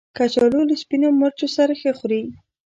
کچالو له سپینو مرچو سره ښه خوري